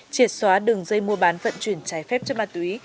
triệt xóa đường dây mua bán vận chuyển trái phép chất ma túy